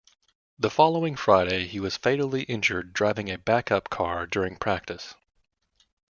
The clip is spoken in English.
The following Friday he was fatally injured driving a back-up car during practice.